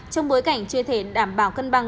trong bối cảnh chưa thể đảm bảo cân bằng